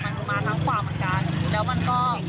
แล้วมันก็ปาดปาดปาดเข้าไปทั้งขวาค่ะคือแบบขับแล้วก็เล่นเครื่องแล้ว